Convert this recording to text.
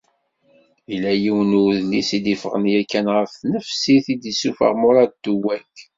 Illa yiwen n udlis i d-iffɣen yakan ɣef tnefsit i d-issufeɣ Murad Tuwwak.